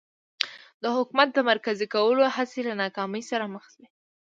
د حکومت د مرکزي کولو هڅې له ناکامۍ سره مخ شوې.